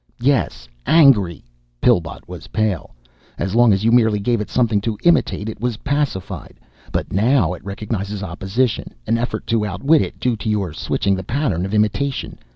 "Yes, angry!" Pillbot was pale. "As long as you merely gave it something to imitate it was pacified. But now it recognizes opposition, an effort to outwit it due to your switching the pattern of imitation.